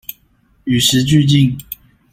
與時俱進